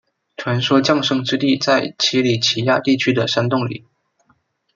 传说降生之地在奇里乞亚地区的山洞里。